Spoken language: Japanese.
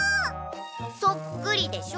そっくりでしょ？